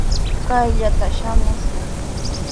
Kayllatraw samakushun.